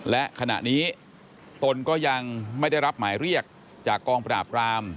และขณะนี้ตนก็ยังไม่ได้รับหมายเรียกจากกองปราบราม